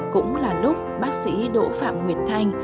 cũng là lúc bác sĩ đỗ phạm nguyệt thanh